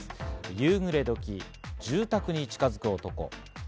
夕暮れどき、住宅に近づく男。